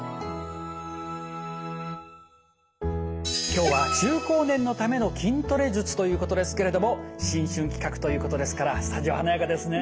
今日は中高年のための筋トレ術ということですけれども新春企画ということですからスタジオ華やかですね。